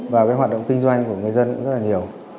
và hoạt động kinh doanh của người dân rất nhiều